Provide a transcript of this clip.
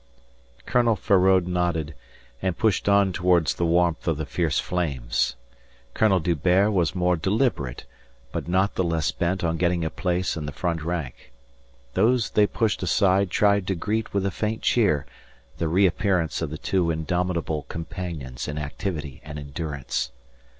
Colonel Feraud nodded, and pushed on towards the warmth of the fierce flames. Colonel D'Hubert was more deliberate, but not the less bent on getting a place in the front rank. Those they pushed aside tried to greet with a faint cheer the reappearance of the two indomitable companions in activity and endurance.